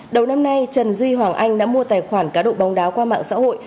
đầu năm nay trần duy hoàng anh đã mua tài khoản cá độ bóng đá qua mạng xã hội